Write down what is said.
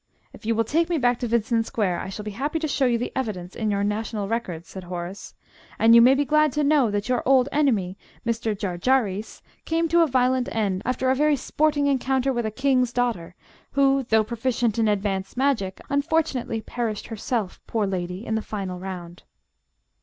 "If you will take me back to Vincent Square, I shall be happy to show you the evidence in your national records," said Horace. "And you may be glad to know that your old enemy, Mr. Jarjarees, came to a violent end, after a very sporting encounter with a King's daughter, who, though proficient in advanced magic, unfortunately perished herself, poor lady, in the final round."